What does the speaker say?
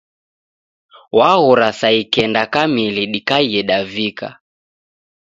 Waghora saa ikenda kamili dikaie davika